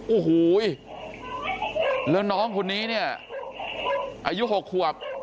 โอ้โหแล้วน้องคนนี้เนี่ยอายุ๖ขวบ